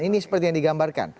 ini seperti yang digambarkan